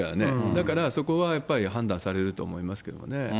だから、そこはやっぱり判断されると思いますけどね。